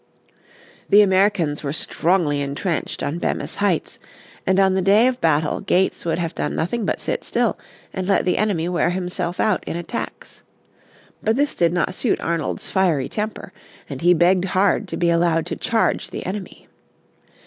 The Americans were strongly entrenched on Bemis Heights, and on the day of battle Gates would have done nothing but sit still and let the enemy wear himself out in attacks. But this did not suit Arnold's fiery temper, and he begged hard to be allowed to charge the enemy.